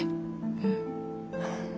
うん。